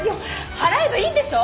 払えばいいんでしょ！？